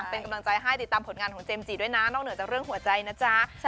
เป็นกำลังใจให้ติดตามผลงานของเจมส์จีด้วยนะนอกเหนือจากเรื่องหัวใจนะจ๊ะ